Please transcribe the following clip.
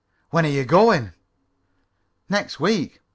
"When are you goin'?" "Next week."